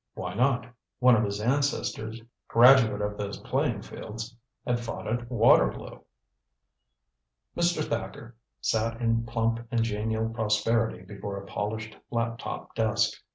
Why not? One of his ancestors, graduate of those playing fields, had fought at Waterloo. Mr. Thacker sat in plump and genial prosperity before a polished flat top desk.